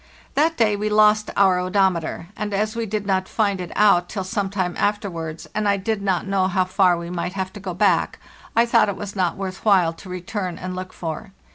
That day we lost our odometer, and as we did not find it out till some time afterwards, and I did not know how far we might have to go back, I thought it was not worth while to return and look for.